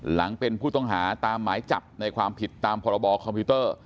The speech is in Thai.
หลังเป็นผู้ต้องหาตามหมายจับในความผิดตามพรบคอมพิวเตอร์